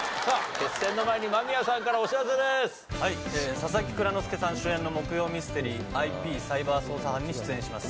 佐々木蔵之介さん主演の木曜ミステリー『ＩＰサイバー捜査班』に出演します。